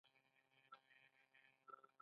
افغانستان سیندونو کې طلا بهیږي 😱